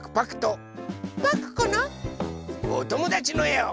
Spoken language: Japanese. おともだちのえを。